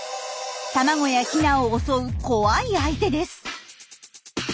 卵やヒナを襲う怖い相手です。